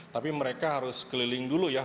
tapi mereka harus keliling dulu ya